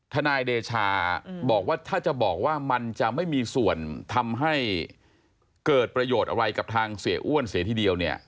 นายเดชาบอกว่าถ้าจะบอกว่ามันจะไม่มีส่วนทำให้เกิดประโยชน์อะไรกับทางเสียอ้วนเสียทีเดียวเนี่ย